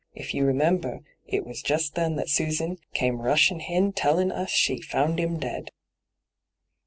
If you remember, it was just then that Susan came rushin' in tellin' us she found 'im dead.'